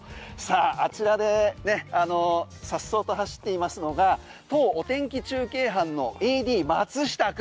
あちらで颯爽と走っていますのがお天気中継班のＡＤ・松下君